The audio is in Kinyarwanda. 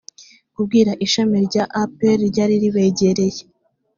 kubwira ishami rya apr ryari ribegereye